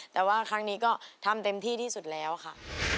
แต่ว่าครั้งนี้ก็ทำเต็มที่ที่สุดแล้วค่ะ